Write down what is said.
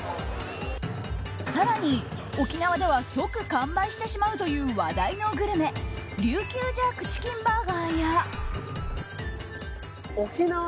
更に沖縄では即完売してしまうという話題のグルメ琉球ジャークチキンバーガーや。